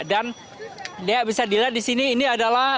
dan bisa dilihat di sini ini adalah